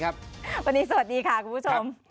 วันนี้สวัสดีค่ะคุณผู้ชม